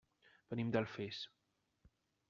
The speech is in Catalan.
Venim d'Alfés.